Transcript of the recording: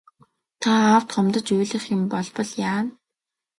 Та аавд гомдож уйлах юм болбол яана.